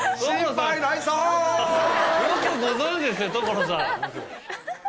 よくご存じですね所さん！